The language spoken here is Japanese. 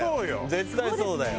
絶対そうだよ。